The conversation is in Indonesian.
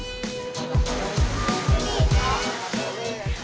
untuk sebagian hewan herbivora atau pemakan tumbuhan